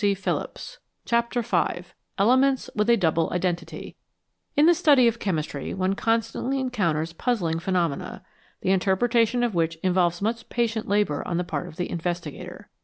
49 D CHAPTER V ELEMENTS WITH A DOUBLE IDENTITY IN the study of chemistry one constantly encounters puzzling phenomena, the interpretation of which involves much patient labour on the part of the investigator.